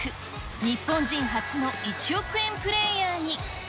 日本人初の１億円プレーヤーに。